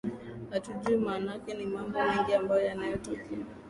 hatujui maanake ni mambo mengi ambayo yanayotokea